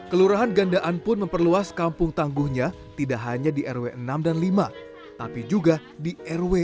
kelurahan gandaan pun memperluas kampung tangguhnya tidak hanya di rw enam dan lima tapi juga di rw